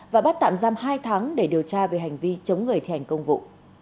và bắt tạm giam hai tháng để điều tra về hành vi chống người thi hành công vụ